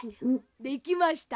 できました。ね！